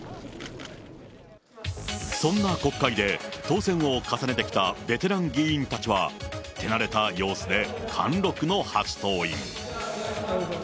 そんな国会で、当選を重ねてきたベテラン議員たちは、手慣れた様子で貫録の初登院。